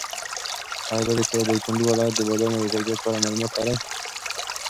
ایا د دایکنډي ولایت د بادامو د کیفیت په اړه معلومات لرې؟